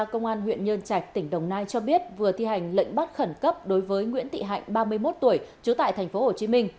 công an huyện nhân trạch tỉnh đồng nai cho biết vừa thi hành lệnh bắt khẩn cấp đối với nguyễn thị hạnh ba mươi một tuổi trú tại tp hcm